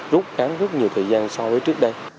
rút ngắn rất nhiều thời gian so với trước đây